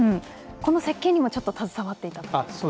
この設計にもちょっと携わっていたと。